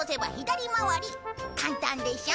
簡単でしょ？